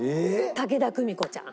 武田久美子ちゃん。